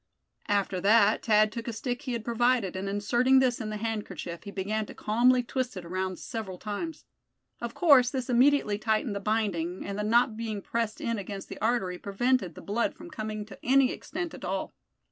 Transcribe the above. After that Thad took a stick he had provided, and inserting this in the handkerchief, he began to calmly twist it around several times. Of course this immediately tightened the binding, and the knot being pressed in against the artery, prevented the blood from coming to any extent at all.